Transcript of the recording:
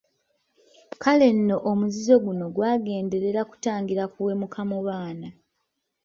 Kale nno omuzizo guno gwagenderera kutangira kuwemuka mu baana.